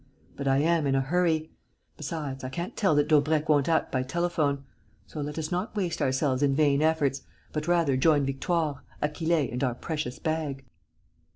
But I am in a hurry. Besides, I can't tell that Daubrecq won't act by telephone. So let us not waste ourselves in vain efforts, but rather join Victoire, Achille and our precious bag."